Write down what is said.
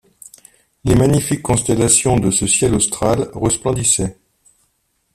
Les magnifiques constellations de ce ciel austral resplendissaient.